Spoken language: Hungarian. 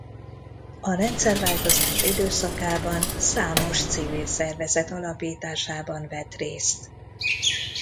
A rendszerváltozás időszakában számos civil szervezet alapításában vett részt.